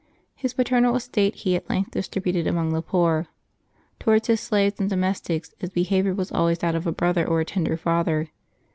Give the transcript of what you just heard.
His paternal estate he at length distributed among the poor; towards his slaves and domestics his behavior was always that of a brother or a tender father.